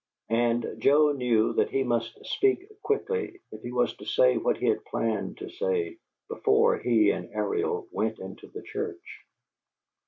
And Joe knew that he must speak quickly, if he was to say what he had planned to say, before he and Ariel went into the church.